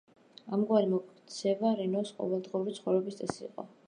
ამგვარი მოქცევა რენოს ყოველდღიური ცხოვრების წესი იყო.